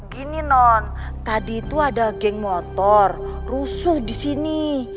gini non tadi itu ada geng motor rusuh di sini